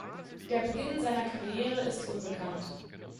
Der Beginn seiner Karriere ist unbekannt.